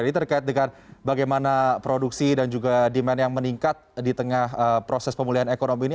ini terkait dengan bagaimana produksi dan juga demand yang meningkat di tengah proses pemulihan ekonomi ini